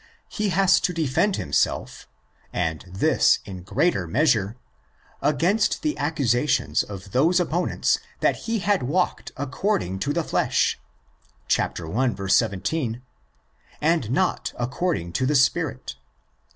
He has to defend himself—and this in greater measure—against the accusations of those opponents that he had walked according to the flesh (i. 17) and not according to the spirit.